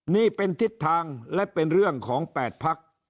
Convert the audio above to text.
นี่เป็นทิศทางและเป็นเรื่องของ๘พัก